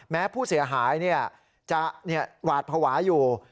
แม้ผู้เสียหายจะหวาดภาวะอยู่